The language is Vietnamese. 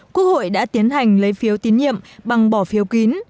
quốc hội đã tiến hành lấy phiếu tín nhiệm bằng bỏ phiếu kín